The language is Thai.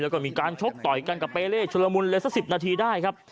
แล้วก็มีการชกต่อยกันกับเปเล่ชุลมุนเลยสัก๑๐นาทีได้ครับ